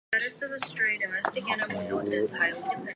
Even if you have to shake-bake shake-bake it like a Shy Tuna.